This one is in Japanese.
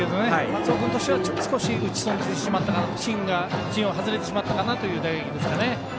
松尾君としては少し打ち損じてしまって芯を外れてしまったという打撃ですね。